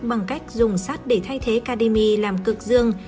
bằng cách dùng sắt để thay thế kadimi làm cực dương